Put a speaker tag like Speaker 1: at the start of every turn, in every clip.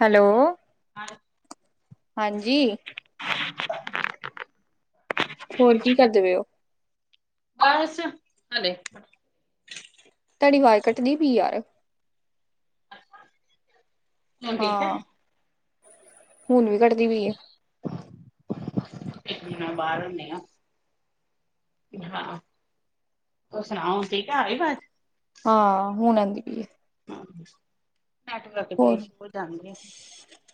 Speaker 1: Hello, ਹਾਂਜੀ। ਹੋਰ ਕੀ ਕਰਦੇ ਪਏ ਉਹ
Speaker 2: ਬਸ ਹ
Speaker 1: ਵਾਜ਼ ਕੱਟਦੀ ਵੀ ਯਾਰ
Speaker 2: ਹੁਣ ਠੀਕ ਐ।
Speaker 1: ਹਾਂ ਹੁਣ ਵੀ ਕਟਦੀ ਪਈ ਐ।
Speaker 2: ਬਾਹਰ ਹੁਨੇ ਆ ਹਾਂ ਤੂੰ ਸੁਣਾ ਹੁਣ ਠੀਕ ਐ ਹੁਣ ਆਗੀ ਅਵਾਜ਼
Speaker 1: ਹਾਂ ਹੁਣ ਆਦੀ ਪਈ ਏ।
Speaker 2: [inaudible] ਨੈਟਵਰਕ ਦੇ
Speaker 1: ਹੋਰ
Speaker 2: ਇਸ਼ੂ ਹੋ ਜਾਂਣਗੇ ਆ।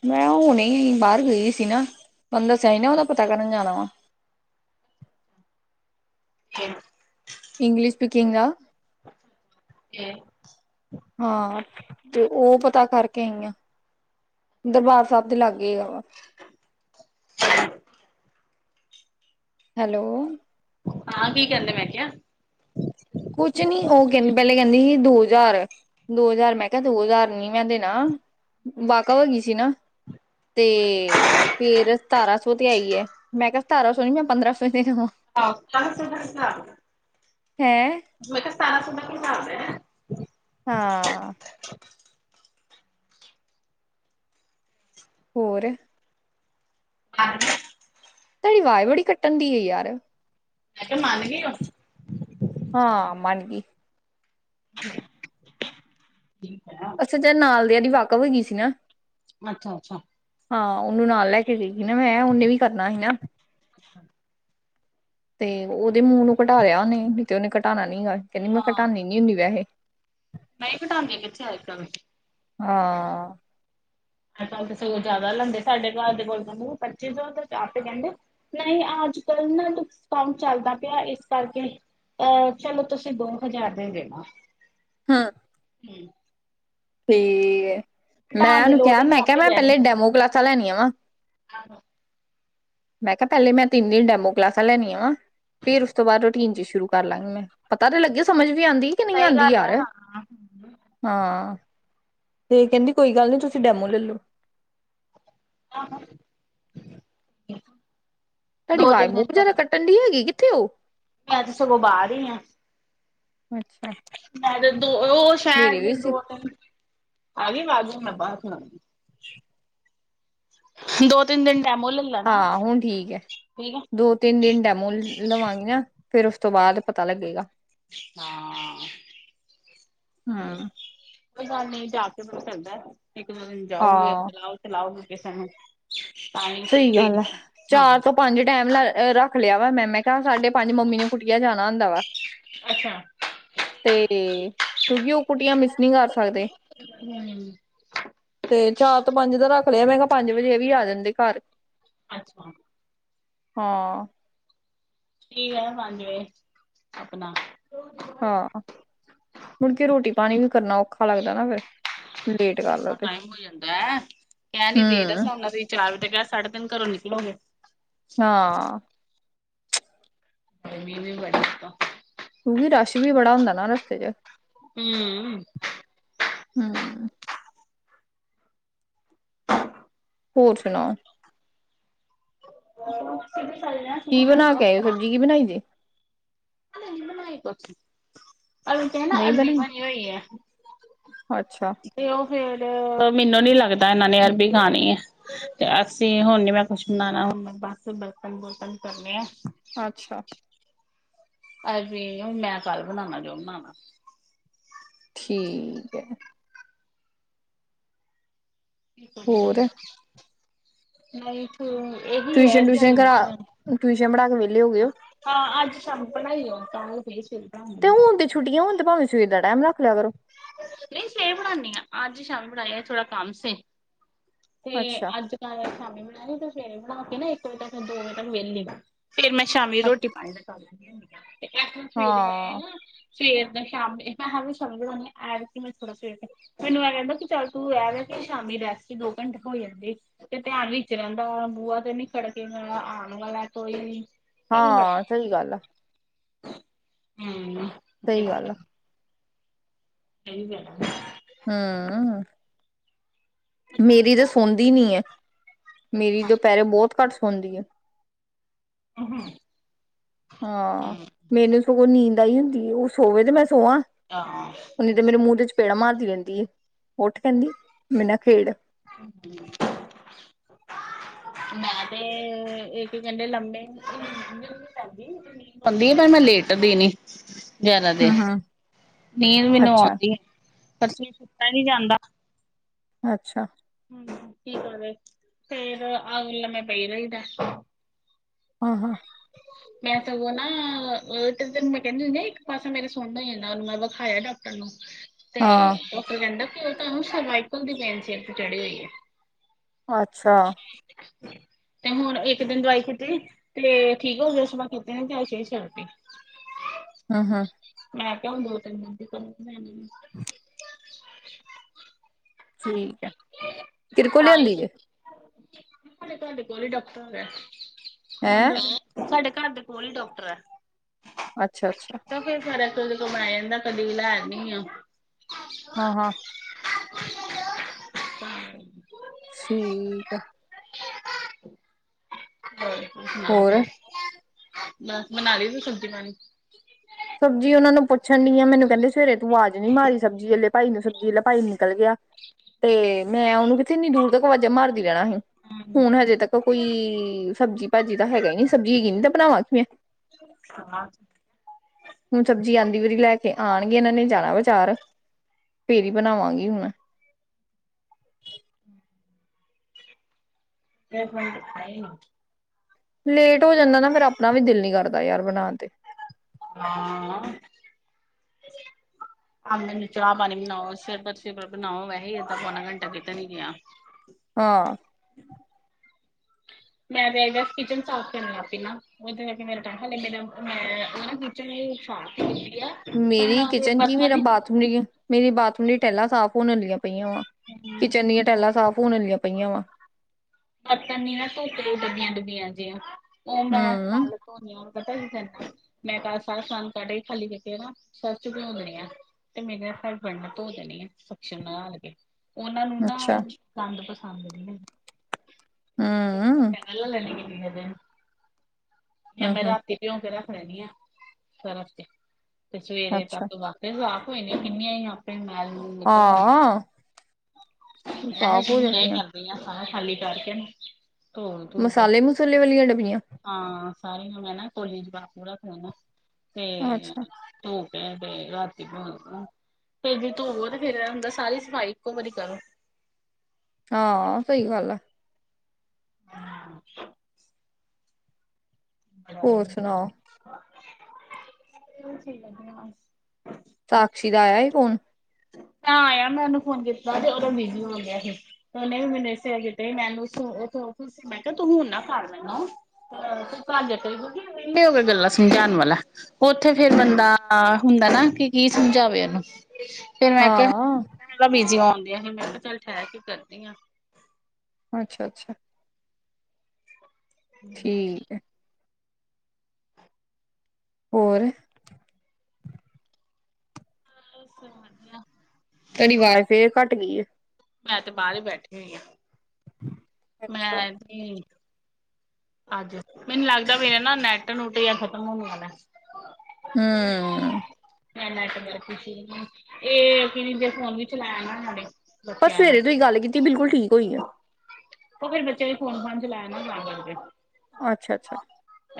Speaker 1: ਮੈਂ ਹੁਣੇ ਬਾਹਰ ਗਈ ਸੀ ਨਾ ਥੋਨੂੰ ਦੱਸਿਆ ਸੀ ਨਾ ਉਹਦਾ ਪਤਾ ਕਰਨ ਜਾਣਾ ਵਾ
Speaker 2: ਹੂੰ।
Speaker 1: ਇੰਗਲੀਸ਼ ਸਪੀਕਿੰਗ ਦਾ। ਹਾਂ ਤੇ ਉਹ ਪਤਾ ਕਰ ਕੇ ਆਈ ਆਂ, ਦਰਬਾਰ ਸਾਹਿਬ ਦੇ ਲਾਗੇ ਆ ਵਾ।
Speaker 2: [inaudible]
Speaker 1: ਹੈਲੋ।
Speaker 2: ਹਾਂ ਕੀ ਕਹਿੰਦੇ ਮੈਂ ਕਿਹਾ
Speaker 1: ਕੁਛ ਨੀ ਉਹ ਕਹਿੰਦੀ ਪਹਿਲੇ ਕਹਿੰਦੀ ਸੀ, ਦੋ ਹਜ਼ਾਰ ਦੋ ਹਜ਼ਾਰ ਮੈਂ ਕਿਹਾ ਦੋ ਹਜ਼ਾਰ ਨੀ ਮੈਂ ਦੇਣਾ ਵਾਕਫ ਹੋਗੀ ਸੀ ਨਾ। ਤੇ ਫੇਰ ਸਤਾਰਾਂ ਸੌ ਤੇ ਆਈ ਐ। ਮੈਂ ਕਿਹਾ ਸਤਾਰਾਂ ਸੌ ਨੀ ਮੈਂ ਪੰਦਰਾਂ ਸੌ ਦੇਣਾ
Speaker 2: ਆਹ ਕਹਾਂ ਸੇ ਸਟਾਟ ਹੋ
Speaker 1: ਹੈਂ
Speaker 2: [inaudible] ਮੈਂ ਕਿਹਾ ਸਾਰਾ ਸੁਬਹ ਕੋ ਲਾਂਦੇ ਐ
Speaker 1: ਹਾਂ। ਹੋਰ,
Speaker 2: ਹਾਂ।
Speaker 1: ਤੁਹਾਡੀ ਆਵਾਜ਼ ਬੜੀ ਕੱਟਣ ਦੀ ਹੈ ਯਾਰ
Speaker 2: ਮ ਕਿਹਾ ਮਨ ਗਓ।
Speaker 1: ਹਾਂ ਮਾਨਗੀ।
Speaker 2: ਠੀਕ।
Speaker 1: ਅੱਛਾ ਜ ਨਾਲ ਦੀ ਵਾਕਫ ਹੋਏ ਗਈ ਸੀ ਨਾ।
Speaker 2: ਅੱਛਾ ਅੱਛਾ।
Speaker 1: ਹਾਂ ਉਹਨੂੰ ਨਾਲ ਲੈ ਕੇ ਗਈਗੀ ਨਾ ਮੈਂ ਉਹਨੇ ਵੀ ਕਰਨਾ ਸੀ ਨਾ।
Speaker 2: ਹ।
Speaker 1: ਤੇ ਉਹਦੇ ਮੂੰਹ ਨੂੰ ਘਟਾ ਲਿਆ ਉਹਨੇ ਤੇ ਉਹਨੇ [inaudible] ਕਹਿੰਦੀ ਮੈਂ ਘਟਾਨਣੀ ਨੀ ਹੁੰਦੀ ਵੈਸੇ
Speaker 2: ਮਾਈਕਟਾਗੇਆਂ ਗ ਚਏ ਕਵੇ
Speaker 1: ਹਾਂ।
Speaker 2: ੋਂ ਜ਼ਿਆਦਾ ਲਾਦੇ ਸਾਡੇ ਘਰ ਦੇ ਕੋਲਾਨੂੰ ਪੱਚੀ ਹਾਰ ਚ ਕਹਿੰਦੇ ਨਹੀਂ ਅੱਜ ਕੱਲ ਨਾ ਡਕਾਟ ਚੱਲਦਾ ਪਿਆ ਇਸ ਕਰਕੇ ਅਹ ਚਲੋ ਤੁਸੀਂ ਦੋ ਹਜ਼ਾਰ ਦੇ ਦੇਣਾ
Speaker 1: ਹਾਂ।
Speaker 2: ਹਮ।
Speaker 1: ਠੀਕ। ਮੈਂ
Speaker 2: ਦੀ
Speaker 1: ਉਹਨੂੰ
Speaker 2: ਲੋੜ
Speaker 1: ਕਿਹਾ
Speaker 2: ਹੀ ਨੀ
Speaker 1: ਮੈਂ ਕਿਹਾ
Speaker 2: ਆਪੇ
Speaker 1: ਮੈਂ ਪਹਿਲੇ ਡੈਮੋ ਕਲਾਸਾਂ ਲੈਣੀਆਂ ਵਾ।
Speaker 2: ਆਹੋ।
Speaker 1: ਮੈਂ ਕਿਹਾ ਪਹਿਲੇ ਮੈਂ ਤਿੰਨ ਦਿਨ ਡੈਮੋ ਕਲਾਸਾਂ ਲੈਣੀਆਂ ਵਾ ਫੇਰ ਉਸ ਤੋਂ ਬਾਅਦ ਰੂਟੀਨ ਚ ਸ਼ੁਰੂ ਕਰ ਲਾਂਗੀ ਮੈਂ ਪਤਾ ਤਾਂ ਲੱਗੇ ਸਮਝ ਵੀ ਆਉਂਦੀ ਕਿ ਨਹੀਂ
Speaker 2: ਸਹੀ
Speaker 1: ਆਉਂਦੀ
Speaker 2: ਗੱਲ ਹੈ
Speaker 1: ਯਾਰ
Speaker 2: ਹਾਂ
Speaker 1: ਹਾਂ। ਤੇ ਕਹਿੰਦੀ ਕੋਈ ਗੱਲ ਨੀ ਤੁਸੀਂ ਡੈਮੋ ਲੈਲੋ।
Speaker 2: ਆਹ।
Speaker 1: ਤੁਹਾਡੀ ਆਵਾਜ਼ ਬਹੁਤ ਜ਼ਿਆਦਾ ਕੱਟਣ ਡ ਹੈਗੀ। ਥਓ।
Speaker 2: ਮੈਂ ਤੇ ਸਗੋਂ ਬਾਹਰ ਹੀ ਆ
Speaker 1: ਅੱਛਾ
Speaker 2: ਮੈਂ ਤੇ ਦੋ ਉਹ
Speaker 1: ਮੇਰੇ
Speaker 2: ਸ਼ਹਿਰ
Speaker 1: ਵੀ ਸੀ
Speaker 2: ਦੋ ਤਿੰਨ ਆਜੀ ਵਜ ਨੈਂਬਸ ਨਾ। ਦੋ ਤਿੰਨ ਦਿਨ ਲੈ ਲੈਣਾ
Speaker 1: ਹਾਂ ਹੁਣ ਠੀਕ ਹੈ
Speaker 2: ਠੀਕ ਹੈ
Speaker 1: ਦੋ ਤਿੰਨ ਦਿਨ ਡੈਮੋ ਲਵਾਂਗੀ ਨਾ ਫੇਰ ਉਸ ਤੋਂ ਬਾਅਦ ਪਤਾ ਲੱਗੇਗਾ।
Speaker 2: ਹਾਂ।
Speaker 1: ਹਮ
Speaker 2: ਕੋਈ ਗੱਲ ਨਹੀਂ ਜਾ ਕੇ ਮੈਨੂੰ ਚੱਲਦਾ। ਇੱਕ ਦੋ ਦਿਨ ਜਾਓਗੇ
Speaker 1: ਹਾਂ
Speaker 2: ਲਓ ਤੇ ਲਾਓਗੇ। ਕਿਸ
Speaker 1: ਸਹੀ ਗੱਲ ਐ ਚਾਰ ਤੋਂ ਪੰਜ ਟੈਮ ਲ ਰ ਰੱਖ ਲਿਆਵਾ ਮੈਂ, ਮੈਂ ਕਿਹਾ- ਸਾਢੇ ਪੰਜ ਮੰਮੀ ਨੂੰ ਕੁਟੀਆ ਜਾਣਾ ਹੁੰਦਾ ਵਾ
Speaker 2: ਅੱਛਾ।
Speaker 1: ਤੇ ਕਿਉਂਕਿ ਉਹ ਕੁਟੀਆਂ ਮਿਸ ਨੀ ਕਰ ਸਕਦੇ।
Speaker 2: ਹੂੰ
Speaker 1: ਤੇ ਚਾਰ ਤੋਂ ਪੰਜ ਦਾ ਰੱਖ ਲਿਆ। ਮੈਂ ਕਿਹਾ- ਪੰਜ ਵਜੇ ਇਹ ਵੀ ਆ ਜਾਂਦੇ। ਘਰ
Speaker 2: ਅੱਛਾ।
Speaker 1: ਹਾਂ,
Speaker 2: ਠੀਕ ਹੈ ਪੰਜ ਵੇਜੇ ਆਪਣਾ
Speaker 1: ਹਾਂ, ਮੁੜ ਕੇ ਰੋਟੀ ਪਾਣੀ ਵੀ ਕਰਨਾ ਔਖਾ ਲੱਗਦਾ ।ਨਾ ਫਿਰ, ਲੇਟ ਕਰ ਲਓ
Speaker 2: ਨਾ
Speaker 1: ਤੇ
Speaker 2: ਟਾਈਮ ਹੋ ਜਾਂਦਾ ਕਹਿਣ ਨੀ ਦੇ
Speaker 1: ਹਮ
Speaker 2: ਸਓਨਾ ਚਾਰ ਵਜੇ ਕਹਿ ਸਾਢੇ ਤਿੰਨ ਘਰੋਂ ਨਿਕਲਾਂਗੇ।
Speaker 1: ਹਾਂ,
Speaker 2: ਮੀ ਵੀ ਬੜ
Speaker 1: ਕਿਉਂਕਿ ਰਸ਼ ਵੀ ਬੜਾ ਹੁੰਦਾ ਨਾ ਰਸਤੇ ਚ
Speaker 2: ਹੂੰ,
Speaker 1: ਹੂੰ, ਹੋਰ ਸੁਣਾਓ?
Speaker 2: [unintelligible]
Speaker 1: ਕੀ ਬਣਾ ਕੇ ਆਏ ਓ, ਸਬਜ਼ੀ ਕੀ ਬਣਾਈ ਏ।
Speaker 2: ਅ ਨਈ ਬਨਾਣੀ ਕੁਝ ਅਲ ਕੇ ਨਾ ਅਰਬੀ ਬਣੀ ਹੋਈ ਹੈ। ਤੇ ਉਹ ਫੇਰ ਮੈਨੂੰ ਨੀ ਲੱਗਦਾ ਇਹਨਾਂ ਨੇ ਅਰਬੀ ਖਾਣੀ ਹੈ। ਤੇ ਅਸੀਂ ਹੁਣ ਨੀ ਮੈਂ ਕੁਛ ਬਨਾਣਾ ਹੁਣ, ਬਸ ਬਰਤਨ- ਬੁਰਤਨ ਕਰਨੇ ਆਂ।
Speaker 1: ਅੱਛਾ।
Speaker 2: ਅ ਵੀ ਹ ਮੈਂ ਕੱਲ ਬਣਾਣਾ ਜੋ ਬਣਾਣਾ।
Speaker 1: ਠੀਕ ਹੈ, ਹੋਰ
Speaker 2: [unintelligible] ਨਹੀਂ [unintelligible] ਇਹੀ ਹੈ
Speaker 1: ਟਿਊਸ਼ਨ
Speaker 2: ਬਾਰੀ
Speaker 1: ਟਿਊਸ਼ਨ ਕਰਾ
Speaker 2: ਨਿਕਲ ਜਾਣੀ।
Speaker 1: ਟਿਊਸ਼ਨ ਪੜ੍ਹਾ ਕੇ ਵਿਹਲੇ ਹੋ ਗਏ ਹੋ
Speaker 2: ਹਾਂ ਅੱਜ ਸਾਮ ਬਣਾਈ ਆ। [unintelligible]
Speaker 1: ਤੇ ਹੁਣ ਤੇ ਛੁੱਟੀਆਂ, ਹੁਣ ਤੇ ਭਾਵੇਂ ਸਵੇਰ ਟਾਈਮ ਰੱਖ ਲਿਆ ਕਰੋ।
Speaker 2: ਨਹੀਂ ਸਵੇਰੇ ਪੜ੍ਹਾਦੀ ਆ। ਅੱਜ ਹੀ ਸ਼ਾਮ ਪੜ੍ਹਾਦੀ ਆ, ਥੋੜਾ ਕੰਮ ਸੀ। ਤੇ
Speaker 1: ਅੱਛਾ
Speaker 2: ਅੱਜ ਕੱਲ ਸ਼ਾਮੀ ਬਣਾਣੀ ਤੇ ਫੇਰ ਬ ਕੇ ਨਾ ਇੱਕ ਵਜੇ ਤੱਕ ਫਿਰ ਦੋ ਵਜੇ ਤੱਕ ਵਿਹਲੀ ਵ ਫੇਰ ਮੈਂ ਸ਼ਾਮੀ
Speaker 1: ਅੱਛ-
Speaker 2: ਰੋਟੀ ਪਾ ਲ ਸ [unintelligible] ਕਲਾਸ
Speaker 1: ਹਾਂ
Speaker 2: [unintelligible] ਸਵੇਰ ਦਾ ਸ਼ਾਮ ਮੈਂ ਕਿਹਾ ਵੀ ਸੌ ਗਏ ਹੋਣੇ। ਐਤਕੀ ਕੇ ਮੈਂ ਥੋੜ੍ਹਾ ਸਵੇਰ ਮੈਨੂੰ ਇਹ ਕਹਿੰਦਾ ਕਿ ਚੱਲ ਤੂੰ ਇਹ ਵੈ ਕੇ ਸ਼ਾਮੀ ਰੈਸਟ ਦੋ ਘੰਟੇ ਹੋ ਜਾਂਦੀ ਤੇ ਧਿਆਨ ਵਿੱਚ ਰਹਿੰਦਾ ਬੂਆ ਤੇ ਨੀ ਖੜ ਕਿਆ ਆਉਣ ਵਾਲਾ ਕੋਈ ਇਹ ਬੜਾ
Speaker 1: ਹਾਂ ਸਹੀ ਗੱਲ ਆ
Speaker 2: ਹੂੰ
Speaker 1: ਸਹੀ ਗੱਲ ਆ
Speaker 2: ਸਹੀ ਬਾਤ
Speaker 1: ਹਮ ਮੇਰੀ ਤਾਂ ਸੌਦੀ ਨੀ ਏ ਮੇਰੀ ਦੁਪਹਿਰੇ ਬਹੁਤ ਘੱਟ ਹੁੰਦੀ ਏ
Speaker 2: [unintelligible]
Speaker 1: ਹਾਂ
Speaker 2: ਹੂੰ
Speaker 1: ਮੈਨੂੰ [unintelligible] ਉਹ ਨੀਂਦ ਆਈ ਹੁੰਦੀ ਉਹ ਸੋਵੇ ਤੇ ਮੈਂ ਸੋਵਾਂ
Speaker 2: ਹਾਂ
Speaker 1: ਓਨੇ ਤੇ ਮੇਰੇ ਮੂੰਹ ਤੇ ਚਪੇੜ ਮਾਰ ਰਹਿੰਦੀ ਉੱਠ ਕਹਿੰਦੀ ਮੇਰੇ ਨਾ ਖੇਡ
Speaker 2: ਮੈਂ ਤੇ ਇੱਕ ਘੰਟੇ ਲੰਮੇ ਲੁਮੇ ਪੈਂਦੀ ਪਰ ਮੈਂ ਲੇਟ ਦੇ ਨੀ ਜਿਆਦਾ ਦੇਰ
Speaker 1: ਹਮ ਹਮ
Speaker 2: ਨੀਂਦ ਮੈਨੂੰ
Speaker 1: ਅੱਛਾ,
Speaker 2: ਆਂਦੀ ਆ ਮੇਰੇ ਤੋ ਸੁੱਤਾ ਨੀ ਜਾਂਦਾ
Speaker 1: ਅੱਛਾ
Speaker 2: ਕੀ ਕਰੇ ਫੇਰ ਆ ਕੇ ਲੰਮੇ ਪਈ ਰਹੀਦਾ
Speaker 1: ਹਾਂ ਹਾਂ
Speaker 2: ਮੈਂ ਸਗੋਂ ਨਾ ਤੇ ਤੈਨੂੰ ਮੈਂ ਕਹਿੰਦੀ ਹੁੰਦੀ ਆ ਇੱਕ ਪਾਸਾ ਮੇਰਾ ਸੁਨ ਹੋਈ ਜਾਂਦਾ ਉਹਨੂੰ ਮੈਂ ਵਿਖਾਇਆ ਡਾਕਟਰ ਨੂੰ ਤੇ
Speaker 1: ਹਾਂ,
Speaker 2: ਡਾਕਟਰ ਕਹਿੰਦਾ ਉਹ ਤੁਹਾਨੂੰ ਸਰਵਾਈਕਲ ਦੀ ਪੇਂਨ ਸਿਰ ਤੇ ਚੜ੍ਹੀ ਹੋਈ ਹੈ
Speaker 1: ਅੱਛਾ
Speaker 2: ਤੇ ਹੁਣ ਇੱਕ ਦਿਨ ਦਵਾਈ ਛੁੱਟੀ ਤੇ ਠੀਕ ਹੋ ਗਿਆ ਸੀ [unintelligible] ਤੇ ਅੱਜ ਫੇਰ ਛੱਡ ਤੀ
Speaker 1: ਹਾਂ ਹਾਂ
Speaker 2: ਕਿਉਂ ਦੋ ਤਿੰਨ ਮਹੀਨੇ ਖਾਦੀ ਸੀ ਹੂੰ [inaudible]
Speaker 1: ਠੀਕ ਹੈ ਤੇਰੇ ਕੋਲ
Speaker 2: ਤਾਂ ਹੀ
Speaker 1: ਲਿਆਂਦੀ [unintelligible]
Speaker 2: ਸਾਡੇ ਘਰ ਦੇ ਕੋਲ ਹੀ ਡਾਕਟਰ ਹੈਗਾ
Speaker 1: ਹੈਂ,
Speaker 2: ਏ [unintelligible] ਸਾਡੇ ਘਰ ਦੇ ਕੋਲ ਹੀ ਡਾਕਟਰ ਹੈ
Speaker 1: ਅੱਛਾ ਅੱਛਾ
Speaker 2: ਜਦੋਂ ਕੋਈ ਲੈ ਜਾਂਦਾ ਕਦੀ ਵੀ ਲੈ ਆਨੀ ਆ
Speaker 1: ਹਾਂ-ਹਾਂ,
Speaker 2: [unintelligible] ਹਾਂ,
Speaker 1: ਠੀਕ ਆ।
Speaker 2: [unintelligible] ਹੋਰ ਸੁਣਾ।
Speaker 1: ਹੋਰ?
Speaker 2: ਬਸ ਬਣਾ ਲਈ ਸਬਜੀ ਪਾਣੀ
Speaker 1: ਸਬਜੀ ਉਹਨਾ ਨੂੰ ਪੁੱਛਣ ਡੀ ਆ ਮੈਨੂੰ ਕਹਿੰਦੇ ਫੇਰੇ ਤੂੰ ਆਜ ਨੀ ਮਾਰੀ ਸਬਜ਼ੀ ਆਲੇ ਭਾਈ ਨੂੰ ਸਬਜ਼ੀ ਲ ਭਾਈ ਨਿਕਲ ਗਿਆ। ਤੇ ਮੈਂ ਉਹਨੂੰ ਕਿਥ ਇੰਨੀ ਦੂਰ ਤੱਕ ਅਵਾਜ਼ਾਂ ਮਾਰਦੀ ਰਹਿਣਾ ਸੀ
Speaker 2: ਹਾਂ
Speaker 1: ਹੁਣ ਹਜੇ ਤੱਕ ਕੋਈ ਸਬਜ਼ੀ ਭਾਜੀ ਤਾਂ ਹੈਗਾ ਨਹੀਂ ਸਬਜ਼ੀ ਹੈਗੀ ਨੀ ਤਾਂ ਬਣਾਵਾਂ ਕਿ ਮੈਂ ਹੁਣ ਸਬਜ਼ੀ ਆਦੀ ਵਾਰੀ ਲੈ ਕੇ ਆਣਗੇ ਇਹਨਾਂ ਨੇ ਜਾਣਾ ਬਾਜਾਰ ਫੇਰ ਹੀ ਬਣਾਵਾਂਗੀ ਹੁਣ [unintelligible]
Speaker 2: [unintelligible]
Speaker 1: ਲੇਟ ਹੋ ਜਾਂਦਾ ਨਾ ਫੇਰ ਆਪਣਾ ਵੀ ਦਿਲ ਨ ਕਰਦਾ ਯਾਰ ਬਣਾਣ ਤੇ।
Speaker 2: ਹਾਂ ਮੈਨੂੰ ਚਾਹ ਪਾਣੀ ਬਣਾਓ ਸਿਰ ਪਰ ਸਿਰ ਪਰ ਬਣਾਓ ਵੈਸੇ ਏਦ ਪੌਨਾ ਘੰਟਾ ਕਿਤੇ ਨੀ ਗਿਆ।
Speaker 1: ਆਹ
Speaker 2: ਮੈਂ ਤੇਗਾ ਕਿਚਨ ਸਾਫ਼ ਕਰਨੀ ਲੱ ਪ ਨਾ ਉਹਦੇ ਕਰਕੇ ਮੇਰਾ ਟਮ ਲ ਮੇ ਮੈਂ ਉਹ ਕਿਚਨ ਸਾਫ
Speaker 1: ਮੇਰੀ ਕਿਚਨ ਕੀ ਮੇਰਾ ਬਾਥਰੂਮ ਮੇਰੀ ਬਾਥਰੂਮ ਲਈ ਟੈਲਾ ਸਾਫ਼ ਹੋਣ ਆਲੀਆ ਪਈਆਂ ਵਾ
Speaker 2: ਹੂੰ
Speaker 1: ਕਿਚਨ ਦੀਆਂ ਟੈਲਾਂ ਸਾਫ਼ ਹੋਨ ਆਲੀਆਂ ਪਈਆਂ ਵਾ।
Speaker 2: ਬਰਤਨ ਨ ਨਾ ਧੋ ਧ ਡੱਬੀਆਂ ਡੱਬੀਆਂ ਜੀਆਂ ਉਹ ਮੈਂ
Speaker 1: ਹੂੰ
Speaker 2: ਚਾਲ ਤੋਂ ਹੋ ਨ ਪਤਾ ਕੀ ਕਰਨਾ ਮੈਂ ਤਾਂ ਸਾਰਾ ਸਾਨ ਕੱਢ ਹੀ ਖਾਲੀ ਜ ਕੇ ਨਾ ਸੱਸ ਚ ਵੀ ਦੇਣੀ ਆ ਤੇ ਮੇਰੀ ਨਾਲ ਫਰ ਬਣਨ ਧੋ ਦੇਣੀ ਆ ਸਸ਼ਮ ਲਗਾ ਲ ਕੇ ਉਹਨਾਂ ਨੂੰ ਨਾ
Speaker 1: ਅੱਛਾ
Speaker 2: ਗੰਦ ਪਸੰਦ ਨੀ ਆ।
Speaker 1: ਹੂੰ
Speaker 2: ਲੈ ਲੇਨੀ ਆ। [unintelligible] ਜਾਂ
Speaker 1: ਹੂੰ
Speaker 2: ਮੈਂ
Speaker 1: ਹੂੰ
Speaker 2: ਰਾਤੀ ਭਿਉ ਕੇ ਲੈਣੀ ਆ ਸਰਫ ਚ ਤੇ ਸਵੇਰੇ
Speaker 1: ਅੱਛਾ
Speaker 2: ਤੱਕ ਆਪੇ ਹੋ ਜਾਣੀਆਂ ਕਿੰਨੀਆਂ ਹੀ ਆਪਣੇ ਮੈਂ ਵੀ ਮੂਲ ਨਿਕਲ ਆਉਂਦੀ
Speaker 1: ਹਾਂ
Speaker 2: ਐ। ਐਸ
Speaker 1: ਸਾਫ਼ ਹੋ
Speaker 2: ਹੁਣ
Speaker 1: ਜਾਣੀਆਂ
Speaker 2: ਕਰਦੇ ਆ [unintelligible] ਖਾਲੀ ਕਰਕੇ ਨਾ ਧੋ ਧੋ ਕੇ
Speaker 1: ਮਸਾਲੇ ਮਸੂਲੇ ਵਾਲੀਆਂ ਡੱਬੀਆਂ
Speaker 2: ਹਾਂ ਸਾਰੀ ਨੂੰ ਮੈਂ ਨਾ ਭੋਲੀ ਪੂਰਾ ਖਾਣਾ ਤੇ
Speaker 1: ਅੱਛਾ
Speaker 2: ਧੋ ਰਾਤੀ ਫ ਜੇ ਧੋਵੋ ਤੇ ਫੇਰ ਹੁੰਦਾ ਸਾਰੀ ਸਫ਼ਾਈ ਇੱਕੋ ਵਾਰੀ ਕਰੋ।
Speaker 1: ਹਾਂ ਸਹੀ ਗੱਲ ਆ।
Speaker 2: ਹੂੰ
Speaker 1: ਹੋਰ
Speaker 2: ਬਾਈ।
Speaker 1: ਸੁਣਾਓ
Speaker 2: ਇਹ ਸਹੀ ਗੱਲ ਬਸ
Speaker 1: ਸਾਕਸ਼ੀ ਦਾ ਆਇਆ ਸੀ ਫੋਨ
Speaker 2: ਆਇਆ ਮੈਂ ਉਹਨੂੰ ਫੋਨ ਕੀਤਾ ਤੇ ਉਦੋਂ ਬਿਜੀ ਹੋ ਗਿਆ ਸੀ ਤੇ ਉਹਨੇ ਵੀ ਮੈਨੂੰ [unintelligible] ਮੈਨੂੰ ਮੈਂ ਕਿਹਾ ਤੂੰ ਹੁਣ ਨਾ ਕਰ ਲੈਣਾ। [unintelligible] ਗੱਲਾਂ ਸਮਝਾਉਣ ਵਾਲਾ ਉੱਥੇ ਫੇਰ ਬੰਦਾ ਹੁੰਦਾ ਨਾ ਕਿ ਕੀ ਸਮਝਾਵੇ ਉਹਨੂੰ ਫੇਰ ਮੈਂ ਕਿਹਾ
Speaker 1: ਹਾਂ
Speaker 2: [unintelligible] ਬੀਜੀ ਆ। [unintelligible] ਮੈਂ ਕਿਹਾ ਚੱਲ ਠਹਿਰ ਕੇ ਕਰਦੀ ਹਾਂ।
Speaker 1: ਅੱਛਾ ਅੱਛਾ। ਠੀਕ ਹੈ
Speaker 2: [unintelligible]
Speaker 1: ਹੋਰ?
Speaker 2: ਬਸ ਵਧੀਆ
Speaker 1: ਤੁਹਾਡੀ ਆਵਾਜ਼ ਫੇਰ ਘੱਟ ਗਈ ਆ।
Speaker 2: ਮੈਂ ਤੇ ਬਾਹਰ ਹੀ ਬੈਠੀ ਹੋਈ ਹਾਂ।
Speaker 1: ਹੂੰ।
Speaker 2: ਮੈਂ ਵੀ ਅੱਜ ਮੈਨੂੰ ਲੱਗਦਾ ਮੇਰੇ ਨਾ ਨੈਟ ਨੁੱਟ ਜਾਂ ਖ਼ਤਮ ਹੋਣ ਵਾਲਾ
Speaker 1: ਹੂੰ
Speaker 2: ਮੇਰਾ ਨੈਟਵਰਕ ਇਸ਼ੂ ਇਹ [unintelligible] ਹੁਣ ਹੀ ਚਲਾਇਆ ਨਾ ਸਾ
Speaker 1: ਪਰ ਸਵੇਰੇ ਤੋਂ ਹੀਂ ਗੱਲ ਕੀਤੀ ਬਿਲਕੁਲ ਠੀਕ ਹੋਈ ਆ।
Speaker 2: ਉਹ ਫੇਰ ਬੱਚਿਆਂ ਨੇ ਫੋਨ ਫ਼ਾਨ ਚਲਾਇਆ ਨ ਤਾਂ ਕਰਕੇ
Speaker 1: ਅੱਛਾ ਅੱਛਾ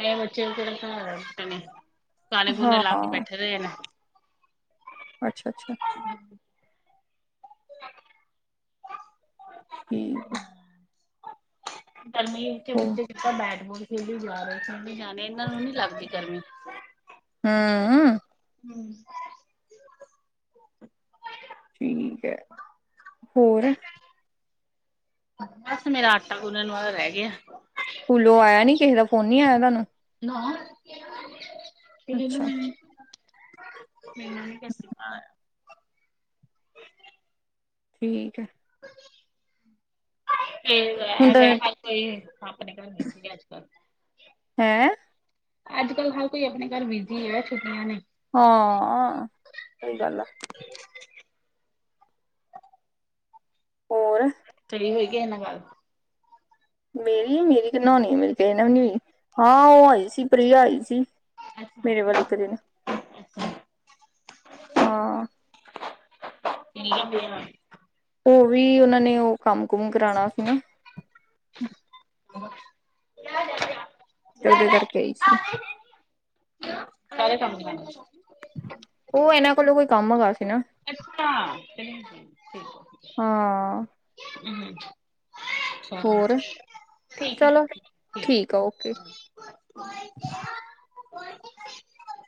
Speaker 2: ਐ ਬੱਚੇ [unintelligible] [unintelligible] ਗਾਣੇ ਗੂਨੇ ਲਾ ਕੇ ਬੈਠੇ ਰਹੇ ਨੇ
Speaker 1: ਅੱਛਾ ਅੱਛਾ। ਠੀਕ ਆ।
Speaker 2: ਪਰ ਮਿਹਨਤੀ ਬੱਚੇ ਸਿੱਧਾ ਬੈਟਬਾਲ ਖੇਲੀ ਜਾ ਰਹੇ ਜਾਣੇ ਇਹਨਾਂ ਨੂੰ ਨੀ ਲੱਗਦੀ ਗਰਮੀ [unintelligible]
Speaker 1: ਹਾਂ।
Speaker 2: ਹੂੰ
Speaker 1: ਠੀਕ ਹੈ। ਹੋਰ
Speaker 2: ਬਸ ਮੇਰਾ ਆਟਾ ਗੁੰਨਨ ਵਾਲ ਰਹਿ ਗਿਆ।
Speaker 1: ਸਕੂਲੋਂ ਆਇਆ ਨੀ ਕਿਸੇ ਦਾ ਫੋਨ ਨੀ ਆਇਆ ਤੁਹਾਨੂੰ
Speaker 2: ਇਹ ਤੇ
Speaker 1: ਅੱਛਾ
Speaker 2: ਮਨਾਂ ਨ ਕਸੀ
Speaker 1: ਠੀਕ ਹੈ। ਹੁਣ ਤਾਂ
Speaker 2: ਕੋਈ ਪਾਪ ਨਿਕ ਸੀ ਅਜੱਲ
Speaker 1: ਹੈਂ
Speaker 2: ਅੱਜ ਕੱਲ੍ਹ ਹਰ ਕੋਈ ਆਪਣੇ ਘਰ ਬਿਜੀ ਹੈ ਛੁਟੀਆਂ ਨੇ
Speaker 1: ਹਾਂ ਸਹੀ ਗੱਲ ਆ। ਹੋਰ?
Speaker 2: ਚਲੀ ਹੋ ਗਿਆ ਇਹਨਾਂ ਗੱਲ
Speaker 1: ਮੇਰੀ ਮੇਰੀ ਕਿ ਨੌਣੀ ਮੇਰੀ ਕ ਨਾ ਵੀ ਨ ਹੋਈ ਹਾਂ ਉਹ ਆਈ ਸੀ ਪ੍ਰਿਆ ਆਈ ਸੀ। ਮੇਰੇ ਵੱਲ ਇੱਕ ਦਿਨ
Speaker 2: ਹ।
Speaker 1: ਹਾਂ।
Speaker 2: ਇ ਬ
Speaker 1: ਹੋ ਵੀ ਉਹਨਾ ਨੇ ਉਹ ਕੰਮ ਕੁਮ ਕਰਾਉਣਾ ਸੀ ਨਾ।
Speaker 2: ਲ ਜਾ
Speaker 1: ਤੇ ਉਹਡਦੇ ਕਰਕੇ ਆਈ ਸੀ।
Speaker 2: ਸਾਰੇ ਸਮਝ
Speaker 1: ਉਹ ਇਹਨਾਂ ਕੋਲੋਂ ਕੋਈ ਕੰਮ ਹੈਗਾ ਸੀ ਨਾ।
Speaker 2: ਾਂ ਠੀਕ।
Speaker 1: ਹਾਂ।
Speaker 2: [inaudible]
Speaker 1: ਹੋਰ
Speaker 2: ਠੀਕ
Speaker 1: ਚਲੋ
Speaker 2: ਹੈ
Speaker 1: ਠੀਕ ਆ ਓਕੇ। ਹ।
Speaker 2: ਹੈ।